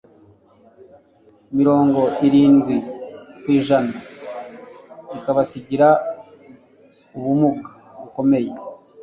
mirongo irindwi kw'ijana ikabasigira ubumuga bukomeye.